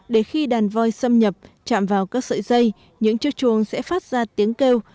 để khi đàn voi xâm nhập chạm vào các sợi dây những chiếc chuồng sẽ phát ra tiếng kêu